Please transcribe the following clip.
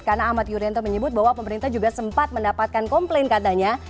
karena ahmad yurento menyebut bahwa pemerintah juga sempat mendapatkan komplain katanya